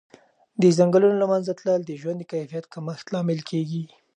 د ځنګلونو له منځه تلل د ژوند د کیفیت کمښت لامل کېږي.